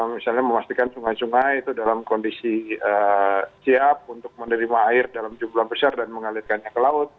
misalnya memastikan sungai sungai itu dalam kondisi siap untuk menerima air dalam jumlah besar dan mengalirkannya ke laut